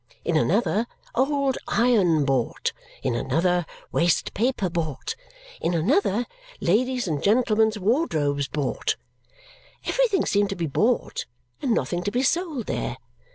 In another, OLD IRON BOUGHT. In another, WASTE PAPER BOUGHT. In another, LADIES' AND GENTLEMEN'S WARDROBES BOUGHT. Everything seemed to be bought and nothing to be sold there.